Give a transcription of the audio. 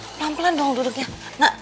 pelan pelan dong duduknya